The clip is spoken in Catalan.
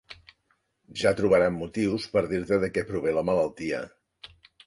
Ja trobaran motius per dir-te de què prové la malaltia.